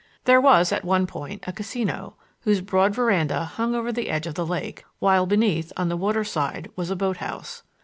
There was, at one point, a casino, whose broad veranda hung over the edge of the lake, while beneath, on the water side, was a boat house.